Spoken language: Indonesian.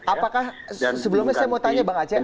apakah sebelumnya saya mau tanya bang aceh